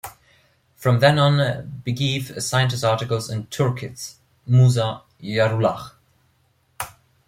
From then on Bigeev signed his articles in Turkic - Musa Jarullah.